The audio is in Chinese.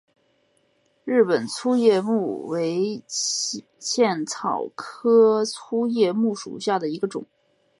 日本粗叶木为茜草科粗叶木属下的一个种。